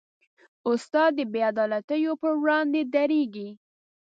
استاد د بېعدالتیو پر وړاندې دریږي.